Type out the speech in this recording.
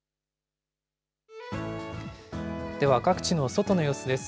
では各地の外の様子です。